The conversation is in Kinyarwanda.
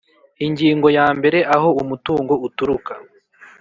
Ingingo ya mbere aho umutungo uturuka